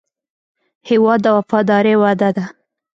هېواد د وفادارۍ وعده ده.